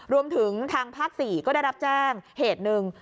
รวมถึงทางภาค๔ก็ได้รับแจ้งเหตุหนึ่ง